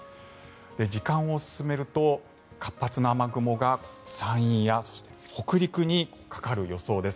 時間を進めると、活発な雨雲が山陰や北陸にかかる予想です。